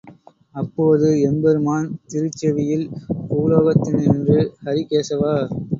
அப்போது எம்பெருமான் திருச்செவியில் பூலோகத்தி னின்றும் ஹரி கேசவா!